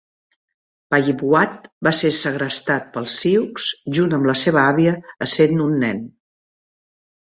Payipwat va ser segrestat pels sioux junt amb la seva àvia essent un nen.